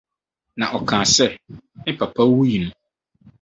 na ɔka sɛ: “ Me papa wui no